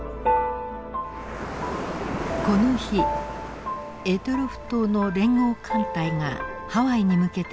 この日択捉島の連合艦隊がハワイに向けて出発します。